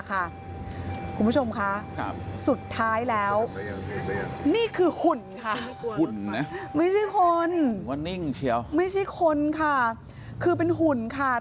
คือว่านิ่งเชียวไม่ใช่คนค่ะคือเป็นหุ่นค่ะ